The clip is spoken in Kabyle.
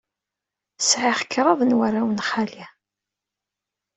Sɛiɣ kraḍ n warraw n xali.